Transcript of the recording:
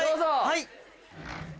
はい。